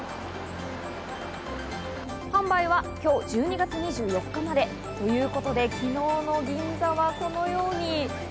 販売が今日１２月２４日までということで昨日の銀座はこのように。